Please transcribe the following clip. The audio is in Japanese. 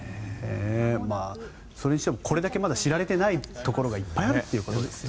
それにしてもこれだけまだ知られていないところがいっぱいあるということですね。